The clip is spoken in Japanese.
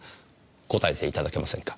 答えていただけませんか？